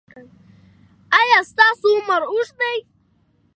ایا ستاسو عمر اوږد دی؟